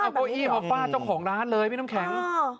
เอาเก้าอี้มาฟาดเจ้าของร้านเลยพี่น้ำแข็ง